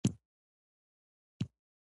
د خصوصي پانګې لیږد پکې نه حسابیږي.